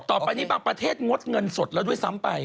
ต่อไปนี้บางประเทศงดเงินสดแล้วด้วยซ้ำไป